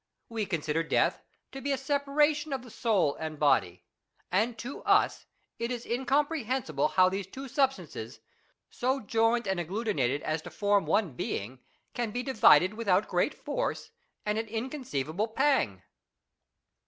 We consider death to be a separation of the soul and body, and to us it is incom prehensible how these two substances, so joined and agglutinated as to form one being, can be divided with out great force and an inconceivable pang.